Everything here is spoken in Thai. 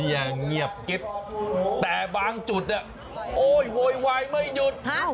ไอเงียบเกชแต่บางจุดเนี่ยโหยไวไม่หยุด